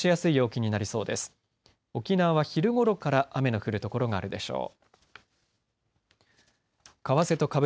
沖縄は昼ごろから雨の降る所があるでしょう。